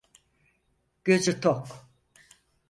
Gözü tok.